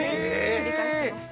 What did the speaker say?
繰り返してました。